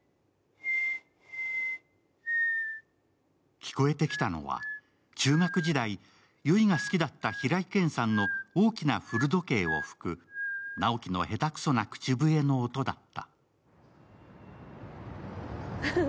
聞こえてきたのは中学時代、悠依が好きだった平井堅さんの「大きな古時計」を吹く直木の下手くそな口笛の音だった。